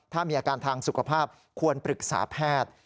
ถ้ามีอาการทางสุขภาพควรปรึกษาแพทย์